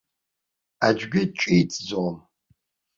Аӡәгьы ҿиҭӡом.